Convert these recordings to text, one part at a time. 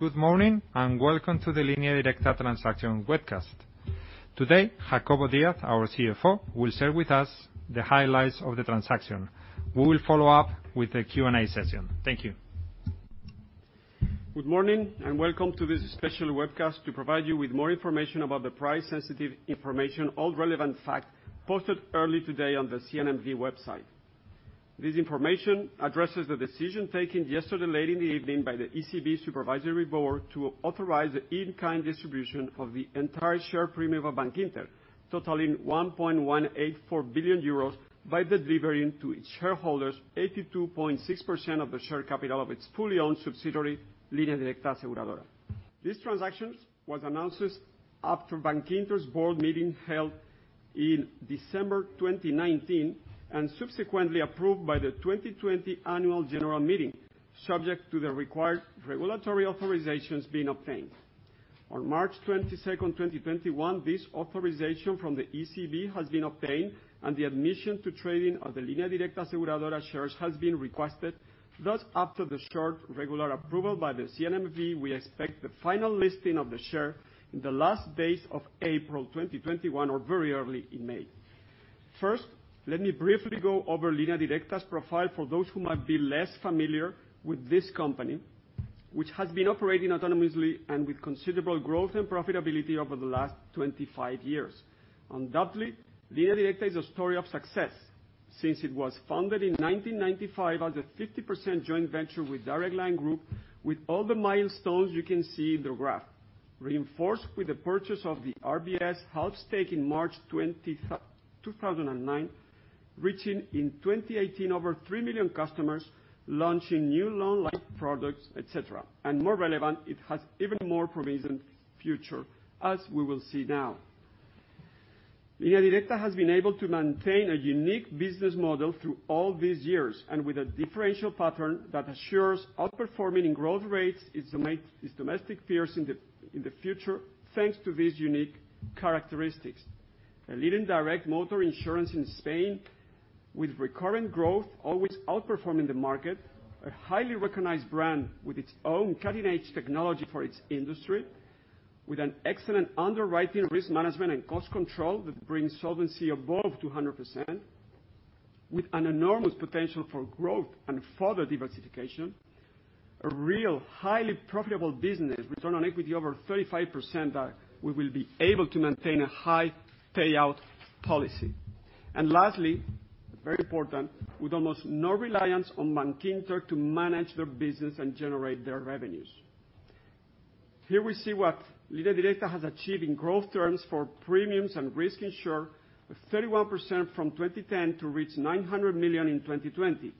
Good morning, and welcome to the Línea Directa transaction webcast. Today, Jacobo Díaz, our CFO, will share with us the highlights of the transaction. We will follow up with a Q&A session. Thank you. Good morning, welcome to this special webcast to provide you with more information about the price-sensitive information on relevant facts posted early today on the CNMV website. This information addresses the decision taken yesterday late in the evening by the ECB Supervisory Board to authorize the in-kind distribution of the entire share premium of Bankinter, totaling 1.184 billion euros, by delivering to its shareholders 82.6% of the share capital of its fully owned subsidiary, Línea Directa Aseguradora. This transaction was announced after Bankinter's board meeting held in December 2019 and subsequently approved by the 2020 annual general meeting, subject to the required regulatory authorizations being obtained. On March 22nd, 2021, this authorization from the ECB has been obtained, the admission to trading of the Línea Directa Aseguradora shares has been requested. After the short regular approval by the CNMV, we expect the final listing of the share in the last days of April 2021 or very early in May. First, let me briefly go over Línea Directa's profile for those who might be less familiar with this company, which has been operating autonomously and with considerable growth and profitability over the last 25 years. Undoubtedly, Línea Directa is a story of success since it was founded in 1995 as a 50% joint venture with Direct Line Group with all the milestones you can see in the graph. Reinforced with the purchase of the RBS half stake in March 2009, reaching in 2018 over 3 million customers, launching new long life products, et cetera. More relevant, it has even more promising future, as we will see now. Línea Directa has been able to maintain a unique business model through all these years, and with a differential pattern that assures outperforming in growth rates its domestic peers in the future, thanks to these unique characteristics. A leading direct motor insurance in Spain with recurrent growth, always outperforming the market. A highly recognized brand with its own cutting-edge technology for its industry. With an excellent underwriting risk management and cost control that brings solvency above 200%. With an enormous potential for growth and further diversification. A real highly profitable business, return on equity over 35%, that we will be able to maintain a high payout policy. Lastly, very important, with almost no reliance on Bankinter to manage their business and generate their revenues. Here we see what Línea Directa has achieved in growth terms for premiums and risk insured with 31% from 2010 to reach 900 million in 2020.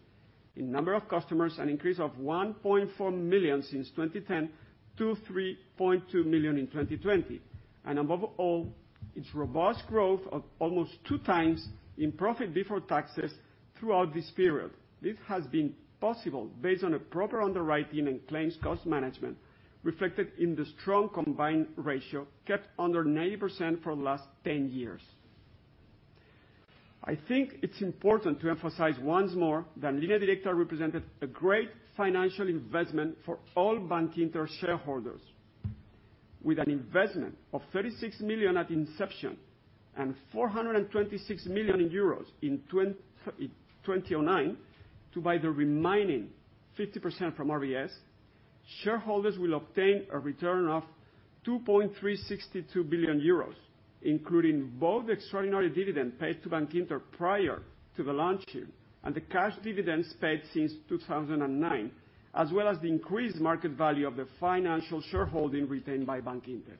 In number of customers, an increase of 1.4 million since 2010 to 3.2 million in 2020. Above all, its robust growth of almost two times in profit before taxes throughout this period. This has been possible based on a proper underwriting and claims cost management reflected in the strong combined ratio kept under 90% for the last 10 years. I think it's important to emphasize once more that Línea Directa represented a great financial investment for all Bankinter shareholders. With an investment of 36 million at inception and 426 million euros in 2009, to buy the remaining 50% from RBS, shareholders will obtain a return of 2.362 billion euros, including both extraordinary dividend paid to Bankinter prior to the launch here and the cash dividends paid since 2009, as well as the increased market value of the financial shareholding retained by Bankinter.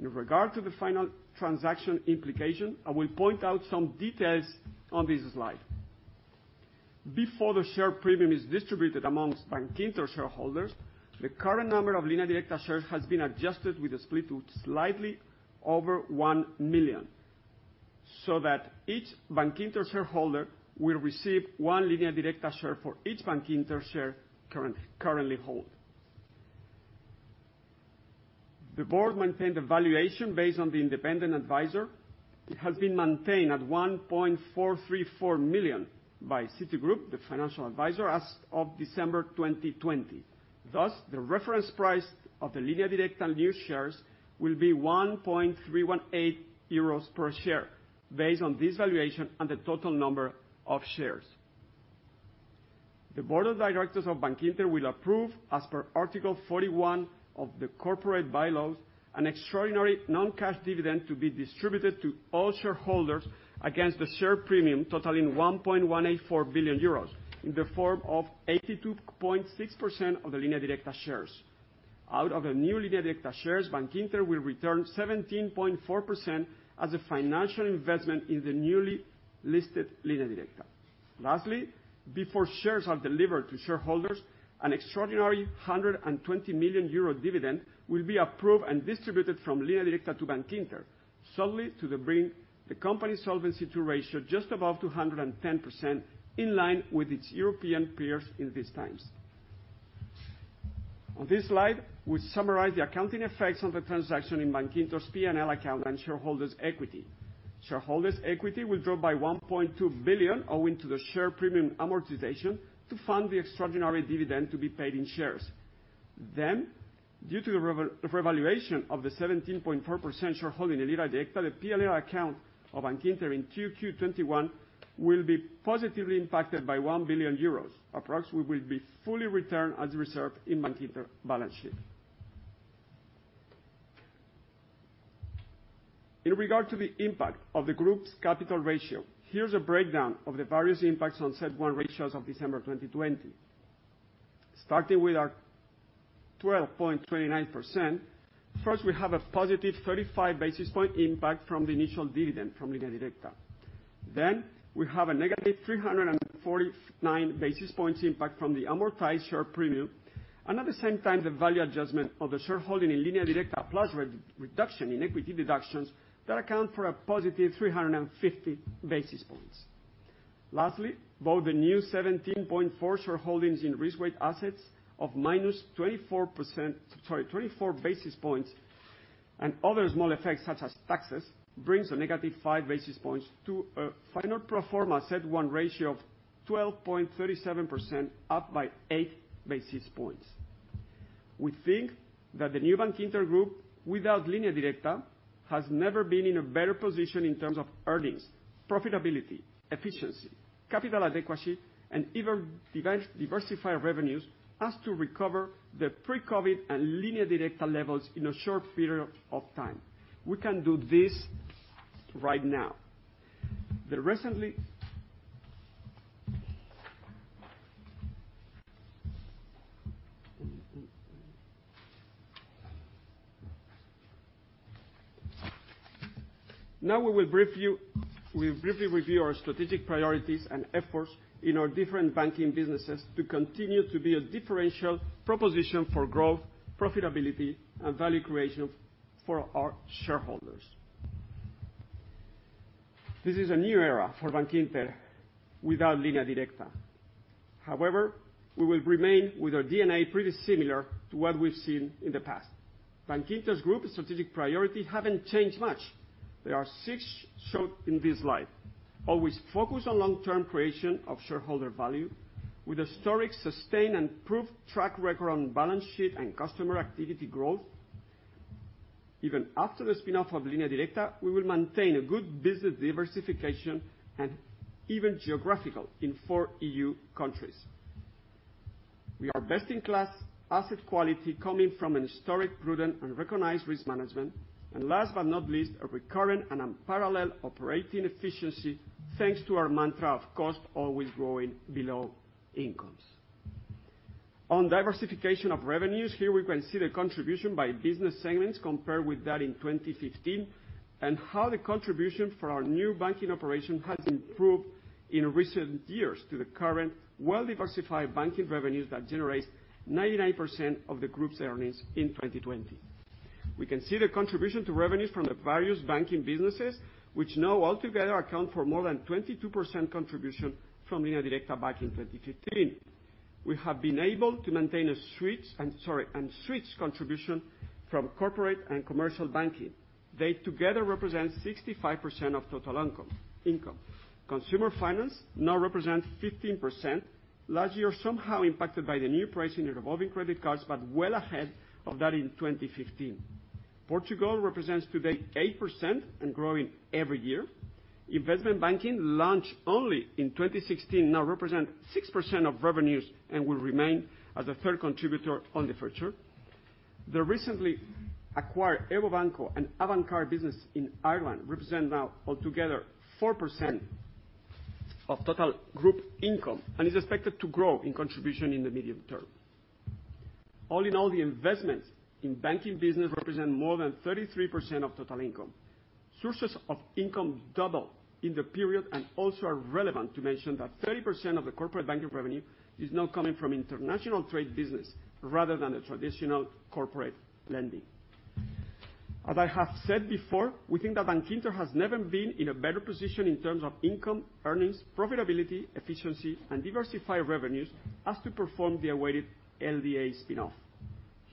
In regard to the final transaction implication, I will point out some details on this slide. Before the share premium is distributed amongst Bankinter shareholders, the current number of Línea Directa shares has been adjusted with a split to slightly over 1 million, that each Bankinter shareholder will receive one Línea Directa share for each Bankinter share currently held. The board maintained a valuation based on the independent advisor. It has been maintained at 1.434 million by Citigroup, the financial advisor, as of December 2020. Thus, the reference price of the Línea Directa new shares will be 1.318 euros per share, based on this valuation and the total number of shares. The board of directors of Bankinter will approve, as per Article 41 of the corporate bylaws, an extraordinary non-cash dividend to be distributed to all shareholders against the share premium totaling 1.184 billion euros, in the form of 82.6% of the Línea Directa shares. Out of the new Línea Directa shares, Bankinter will return 17.4% as a financial investment in the newly listed Línea Directa. Lastly, before shares are delivered to shareholders, an extraordinary 120 million euro dividend will be approved and distributed from Línea Directa to Bankinter, solely to bring the company solvency to a ratio just above 210%, in line with its European peers in these times. On this slide, we summarize the accounting effects of the transaction in Bankinter's P&L account and shareholders' equity. Shareholders' equity will drop by 1.2 billion, owing to the share premium amortization to fund the extraordinary dividend to be paid in shares. Due to the revaluation of the 17.4% sharehold in Línea Directa, the P&L account of Bankinter in 2Q 2021 will be positively impacted by 1 billion euros. Approximately will be fully returned as a reserve in Bankinter balance sheet. In regard to the impact of the group's capital ratio, here's a breakdown of the various impacts on CET1 ratios of December 2020. Starting with our 12.29%. First, we have a positive 35 basis point impact from the initial dividend from Línea Directa. We have a negative 349 basis points impact from the amortized share premium, and at the same time, the value adjustment of the shareholding in Línea Directa, plus reduction in equity deductions that account for a positive 350 basis points. Lastly, both the new 17.4 shareholdings in risk-weighted assets of minus 24 basis points and other small effects, such as taxes, brings a negative five basis points to a final pro forma CET1 ratio of 12.37%, up by eight basis points. We think that the new Bankinter group, without Línea Directa, has never been in a better position in terms of earnings, profitability, efficiency, capital adequacy, and even diversified revenues, as to recover the pre-COVID and Línea Directa levels in a short period of time. We can do this right now. Now, we will briefly review our strategic priorities and efforts in our different banking businesses to continue to be a differential proposition for growth, profitability, and value creation for our shareholders. This is a new era for Bankinter without Línea Directa. We will remain with our DNA pretty similar to what we've seen in the past. Bankinter's group strategic priority haven't changed much. There are six shown in this slide. Always focused on long-term creation of shareholder value with a historic, sustained, and proved track record on balance sheet and customer activity growth. Even after the spin-off of Línea Directa, we will maintain a good business diversification and even geographical in four EU countries. We are best-in-class asset quality coming from an historic prudent and recognized risk management. Last but not least, a recurrent and unparalleled operating efficiency, thanks to our mantra of cost always growing below incomes. On diversification of revenues, here we can see the contribution by business segments compared with that in 2015, and how the contribution for our new banking operation has improved in recent years to the current well-diversified banking revenues that generates 99% of the group's earnings in 2020. We can see the contribution to revenues from the various banking businesses, which now altogether account for more than 22% contribution from Línea Directa back in 2015. We have been able to maintain a steady contribution from corporate and commercial banking. They together represent 65% of total income. Consumer finance now represents 15%, last year somehow impacted by the new pricing and revolving credit cards, well ahead of that in 2015. Portugal represents today 8% and growing every year. Investment banking, launched only in 2016, now represent 6% of revenues and will remain as a third contributor only for sure. The recently acquired EVO Banco and Avantcard business in Ireland represent now altogether 4% of total group income and is expected to grow in contribution in the medium term. All in all, the investments in banking business represent more than 33% of total income. Sources of income double in the period and also are relevant to mention that 30% of the corporate banking revenue is now coming from international trade business rather than the traditional corporate lending. As I have said before, we think that Bankinter has never been in a better position in terms of income, earnings, profitability, efficiency, and diversified revenues, as to perform the awaited LDA spin-off.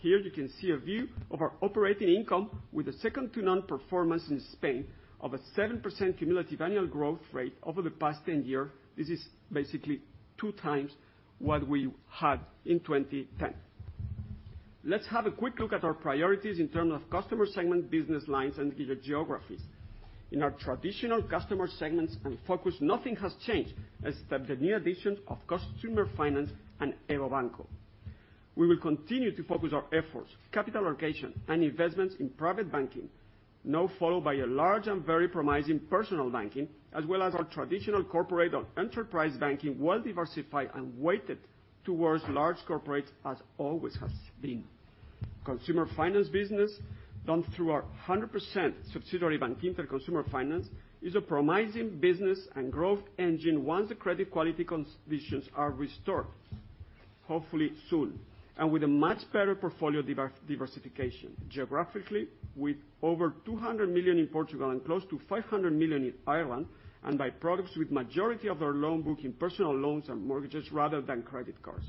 Here you can see a view of our operating income with a second-to-none performance in Spain of a 7% cumulative annual growth rate over the past 10 year. This is basically two times what we had in 2010. Let's have a quick look at our priorities in terms of customer segment, business lines, and geographies. In our traditional customer segments and focus, nothing has changed except the new addition of Consumer Finance and EVO Banco. We will continue to focus our efforts, capital allocation, and investments in private banking, now followed by a large and very promising personal banking, as well as our traditional corporate or enterprise banking, well diversified and weighted towards large corporates as always has been. Consumer finance business, done through our 100% subsidiary, Bankinter Consumer Finance, is a promising business and growth engine once the credit quality conditions are restored, hopefully soon, and with a much better portfolio diversification geographically with over 200 million in Portugal and close to 500 million in Ireland, and by products with majority of their loan book in personal loans and mortgages rather than credit cards.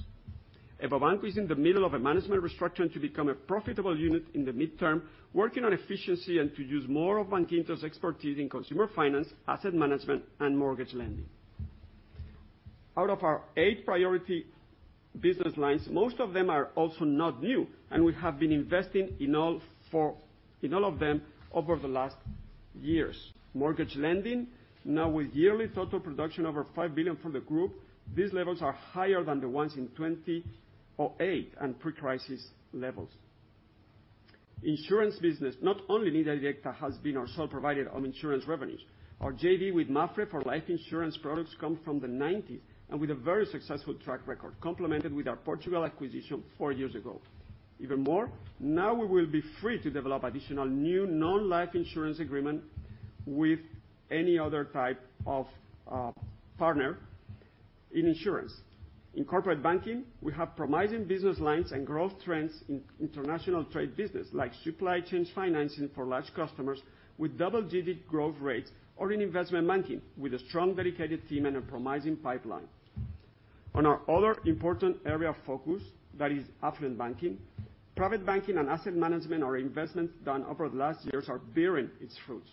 EVO Banco is in the middle of a management restructure to become a profitable unit in the midterm, working on efficiency and to use more of Bankinter's expertise in consumer finance, asset management, and mortgage lending. Out of our eight priority business lines, most of them are also not new, and we have been investing in all of them over the last years. Mortgage lending, now with yearly total production over 5 billion for the group. These levels are higher than the ones in 2008 and pre-crisis levels. Insurance business, not only Línea Directa has been our sole provider of insurance revenues. Our JV with MAPFRE for life insurance products come from the '90s, and with a very successful track record, complemented with our Portugal acquisition four years ago. Even more, now we will be free to develop additional, new non-life insurance agreement with any other type of partner in insurance. In corporate banking, we have promising business lines and growth trends in international trade business, like supply chain financing for large customers with double digit growth rates or in investment banking, with a strong dedicated team and a promising pipeline. On our other important area of focus, that is affluent banking, private banking and asset management are investments done over the last years are bearing its fruits.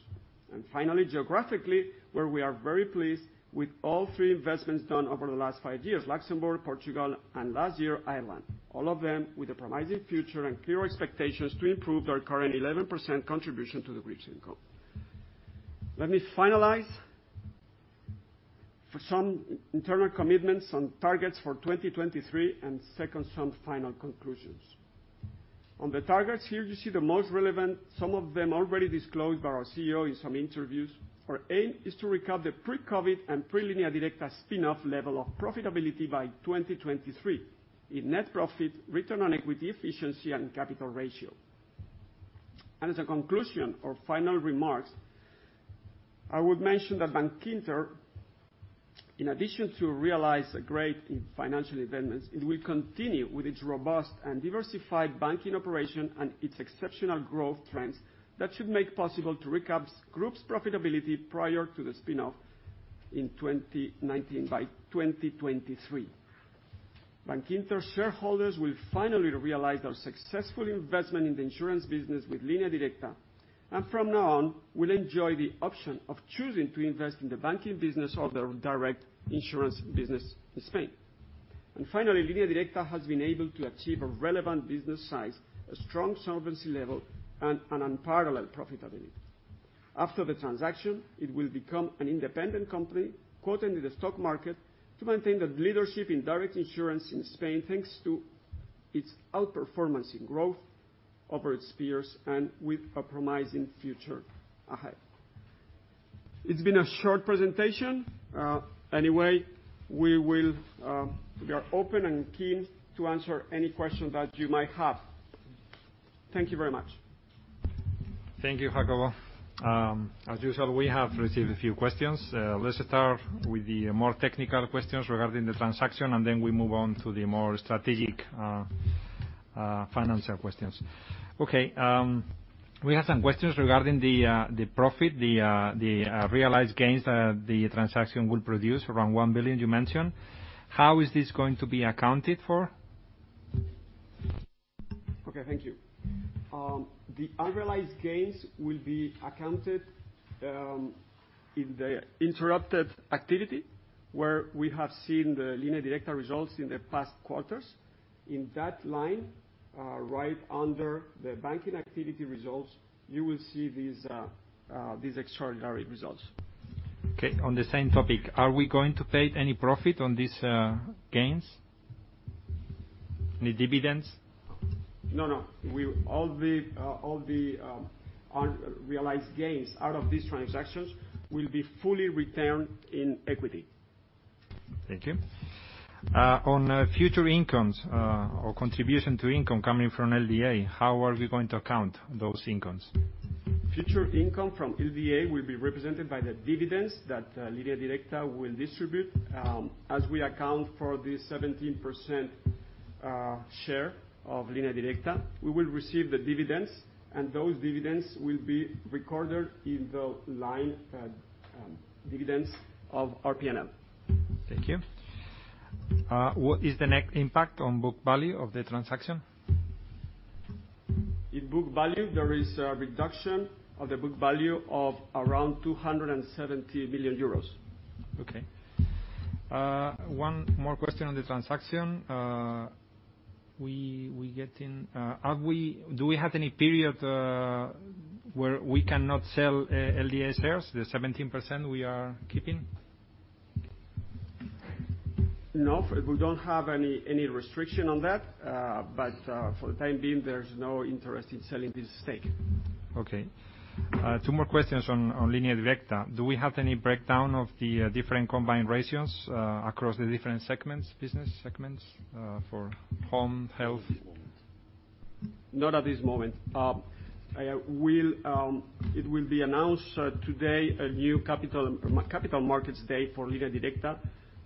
Finally, geographically, where we are very pleased with all three investments done over the last five years, Luxembourg, Portugal, and last year, Ireland. All of them with a promising future and clear expectations to improve their current 11% contribution to the group's income. Let me finalize. For some internal commitments on targets for 2023, and second, some final conclusions. On the targets here, you see the most relevant, some of them already disclosed by our CEO in some interviews. Our aim is to recover the pre-COVID and pre Línea Directa spin-off level of profitability by 2023 in net profit, return on equity, efficiency, and capital ratio. As a conclusion or final remarks, I would mention that Bankinter, in addition to realize a great financial event, it will continue with its robust and diversified banking operation and its exceptional growth trends that should make possible to recap group's profitability prior to the spin-off in 2019, by 2023. Bankinter shareholders will finally realize our successful investment in the insurance business with Línea Directa, and from now on will enjoy the option of choosing to invest in the banking business or the direct insurance business in Spain. Finally, Línea Directa has been able to achieve a relevant business size, a strong solvency level, and an unparalleled profitability. After the transaction, it will become an independent company, quoted in the stock market, to maintain the leadership in direct insurance in Spain, thanks to its outperformance in growth over its peers and with a promising future ahead. It's been a short presentation. Anyway, we are open and keen to answer any question that you might have. Thank you very much. Thank you, Jacobo. As usual, we have received a few questions. Let's start with the more technical questions regarding the transaction, and then we move on to the more strategic financial questions. Okay. We have some questions regarding the profit, the realized gains the transaction will produce, around 1 billion you mentioned. How is this going to be accounted for? Okay, thank you. The unrealized gains will be accounted in the interrupted activity, where we have seen the Línea Directa results in the past quarters. In that line, right under the banking activity results, you will see these extraordinary results. Okay. On the same topic, are we going to pay any profit on these gains? Any dividends? No. All the unrealized gains out of these transactions will be fully returned in equity. Thank you. On future incomes, or contribution to income coming from LDA, how are we going to account those incomes? Future income from LDA will be represented by the dividends that Línea Directa will distribute. As we account for the 17% share of Línea Directa, we will receive the dividends, and those dividends will be recorded in the line, dividends, of our P&L. Thank you. What is the net impact on book value of the transaction? In book value, there is a reduction of the book value of around 270 million euros. Okay. One more question on the transaction. Do we have any period where we cannot sell LDA shares, the 17% we are keeping? No, we don't have any restrictions on that. For the time being, there's no interest in selling this stake. Okay. Two more questions on Línea Directa. Do we have any breakdown of the different combined ratios across the different business segments, for home, health? Not at this moment. It will be announced today, a new capital markets day for Línea Directa,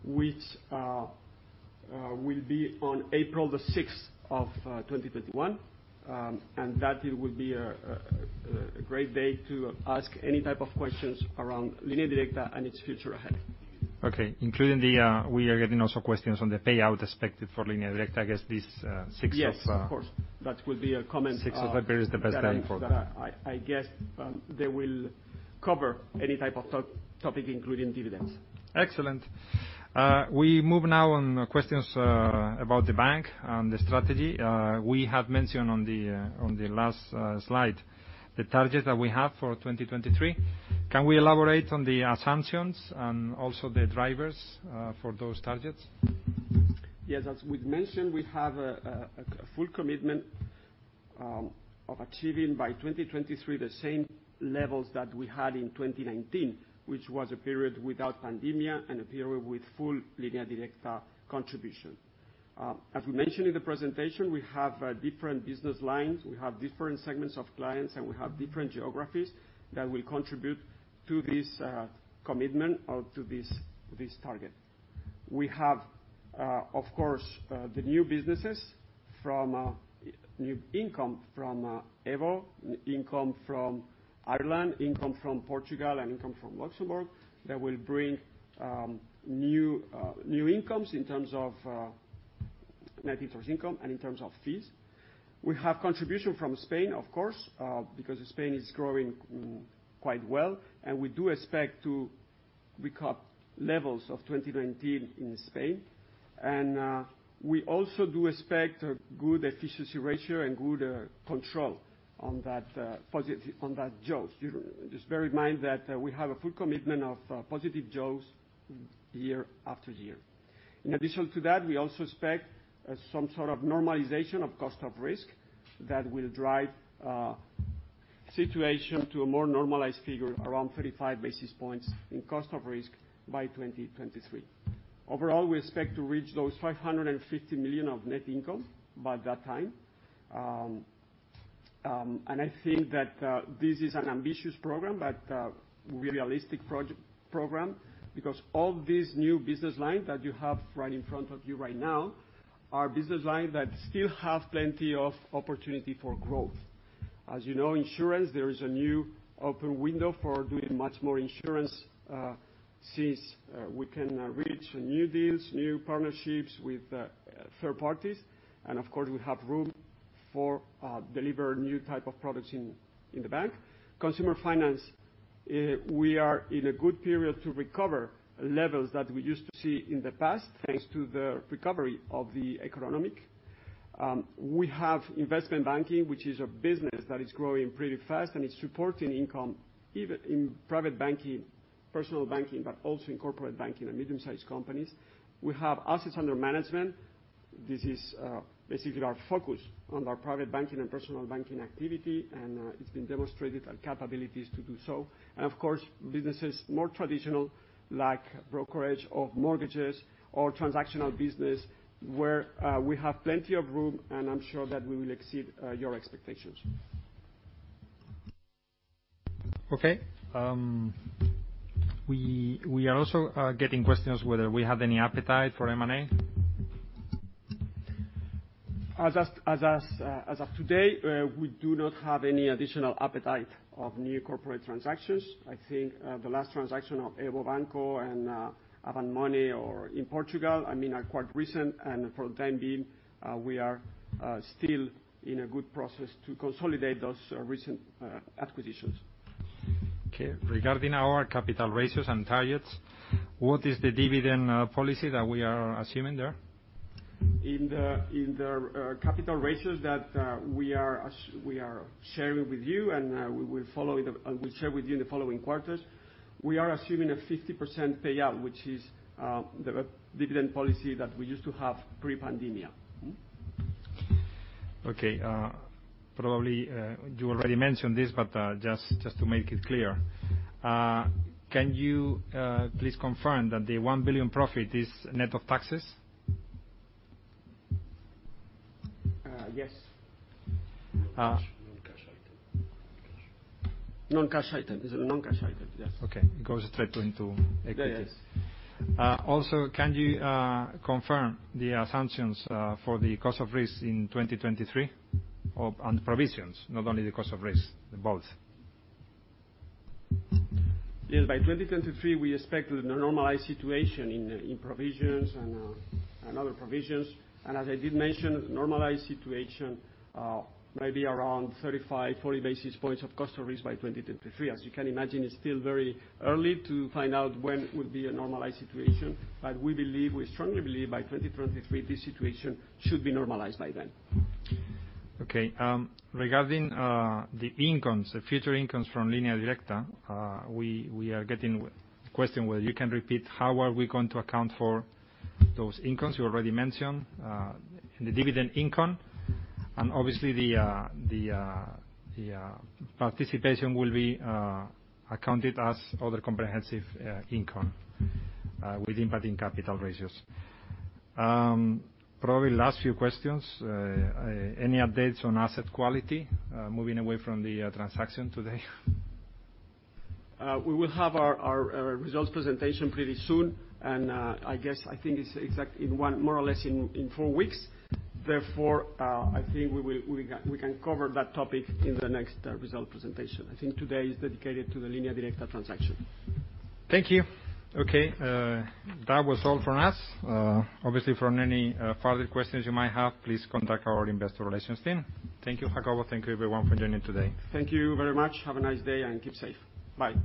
which will be on April the 6th of 2021. That it will be a great day to ask any type of questions around Línea Directa and its future ahead. Okay. We are getting also questions on the payout expected for Línea Directa. Yes, of course. That will be a comment. 6th of February is the best time for that. that, I guess, they will cover any type of topic, including dividends. Excellent. We move now on questions about the bank and the strategy. We have mentioned on the last slide the target that we have for 2023. Can we elaborate on the assumptions and also the drivers for those targets? Yes, as we've mentioned, we have a full commitment of achieving, by 2023, the same levels that we had in 2019, which was a period without pandemic and a period with full Línea Directa contribution. As we mentioned in the presentation, we have different business lines, we have different segments of clients, and we have different geographies that will contribute to this commitment or to this target. We have, of course, the new businesses from new income from EVO, income from Ireland, income from Portugal, and income from Luxembourg, that will bring new incomes in terms of net interest income and in terms of fees. We have contribution from Spain, of course, because Spain is growing quite well, and we do expect to recover levels of 2019 in Spain. We also do expect a good efficiency ratio and good control on that positive, on that jaws. Just bear in mind that we have a full commitment of positive jaws year after year. In addition to that, we also expect some sort of normalization of cost of risk that will drive situation to a more normalized figure, around 35 basis points in cost of risk by 2023. Overall, we expect to reach those 550 million of net income by that time. I think that this is an ambitious program, but a realistic program, because all these new business lines that you have right in front of you right now are business lines that still have plenty of opportunity for growth. As you know, insurance, there is a new open window for doing much more insurance, since we can reach new deals, new partnerships with third parties. Of course, we have room for deliver new type of products in the bank. Consumer finance, we are in a good period to recover levels that we used to see in the past, thanks to the recovery of the economic. We have investment banking, which is a business that is growing pretty fast, and it's supporting income, even in private banking, personal banking, but also in corporate banking and medium-sized companies. We have assets under management. This is basically our focus on our private banking and personal banking activity, and it's been demonstrated our capabilities to do so. Of course, business is more traditional, like brokerage of mortgages or transactional business, where we have plenty of room, and I'm sure that we will exceed your expectations. Okay. We are also getting questions whether we have any appetite for M&A. As of today, we do not have any additional appetite of new corporate transactions. I think the last transaction of EVO Banco and Avantcard or in Portugal, are quite recent, and for the time being, we are still in a good process to consolidate those recent acquisitions. Okay. Regarding our capital ratios and targets, what is the dividend policy that we are assuming there? In the capital ratios that we are sharing with you, and we'll share with you in the following quarters, we are assuming a 50% payout, which is the dividend policy that we used to have pre-pandemic. Okay. Probably, you already mentioned this, but just to make it clear. Can you please confirm that the 1 billion profit is net of taxes? Yes. Non-cash item. Non-cash item. It's a non-cash item. Yes. Okay. It went into equities. Yes. Can you confirm the assumptions for the cost of risk in 2023, and provisions, not only the cost of risk, both? Yes, by 2023, we expect a normalized situation in provisions and other provisions. As I did mention, normalized situation might be around 35, 40 basis points of cost of risk by 2023. As you can imagine, it's still very early to find out when it will be a normalized situation. We strongly believe by 2023, this situation should be normalized by then. Okay. Regarding the incomes, the future incomes from Línea Directa, we are getting question whether you can repeat how are we going to account for those incomes. You already mentioned, the dividend income, and obviously the participation will be accounted as other comprehensive income with impact in capital ratios. Probably last few questions. Any updates on asset quality? Moving away from the transaction today. We will have our results presentation pretty soon. I guess, I think it's exact in one, more or less in four weeks. Therefore, I think we can cover that topic in the next result presentation. I think today is dedicated to the Línea Directa transaction. Thank you. Okay. That was all from us. Obviously, for any further questions you might have, please contact our investor relations team. Thank you, Jacobo. Thank you, everyone, for joining today. Thank you very much. Have a nice day. Keep safe. Bye.